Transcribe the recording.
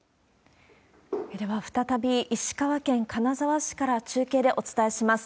では、再び石川県金沢市から中継でお伝えします。